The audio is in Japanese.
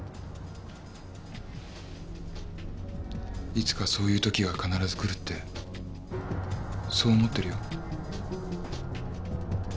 いつかそういうときが必ず来るってそう思ってるよ。